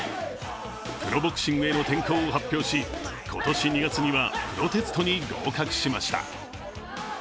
プロボクシングへの転向を発表し、今年２月にはプロテストに合格しました。